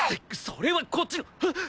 それはこっちのハッ！